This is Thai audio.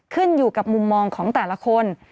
ขึ้นอยู่กับมุมมองของแต่ละคน